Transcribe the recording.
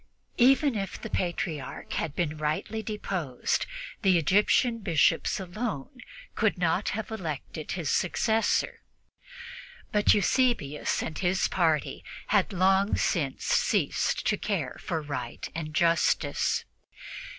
Even if the Patriarch had been rightly deposed, the Egyptian Bishops alone could have elected his successor; but Eusebius and his party had long since ceased to care for right or justice.